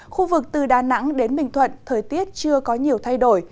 khu vực từ đà nẵng đến bình thuận thời tiết chưa có nhiều thay đổi